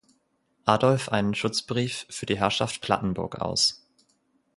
Adolf einen Schutzbrief für die Herrschaft Plattenburg aus.